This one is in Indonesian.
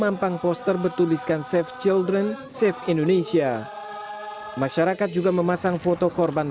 tampang poster bertuliskan save children save indonesia masyarakat juga memasang foto korban